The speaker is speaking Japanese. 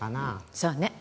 そうね。